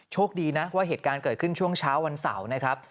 โชคดีนะว่าเหตุการณ์เกิดขึ้นช่วงเช้าวันเสาร์นะครับ